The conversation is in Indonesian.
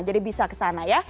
jadi bisa kesana ya